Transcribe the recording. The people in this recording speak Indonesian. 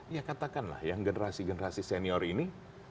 ya katakanlah yang generasi generasi senior ini